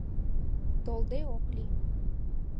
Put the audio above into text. Толде оклий.